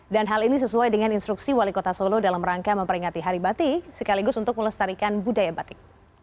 dan hal ini sesuai dengan instruksi wali kota solo dalam rangka memperingati hari batik sekaligus untuk melestarikan budaya batik